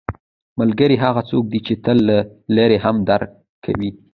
ملګری هغه څوک دی چې تا له لرې هم درک کوي